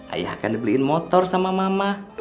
ayah akan dibeliin motor sama mama